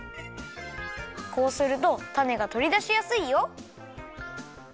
こうするとたねがとりだしやすいよ。